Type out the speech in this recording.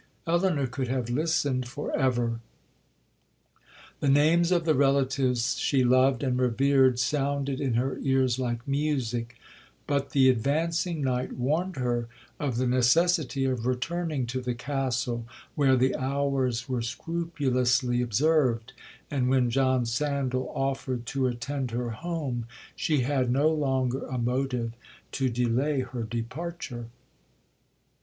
Elinor could have listened for ever. The names of the relatives she loved and revered sounded in her ears like music, but the advancing night warned her of the necessity of returning to the Castle, where the hours were scrupulously observed; and when John Sandal offered to attend her home, she had no longer a motive to delay her departure.